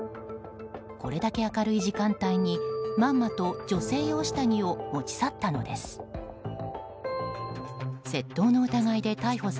これだけ明るい時間帯にまんまと女性用下着を持ち去ったのです。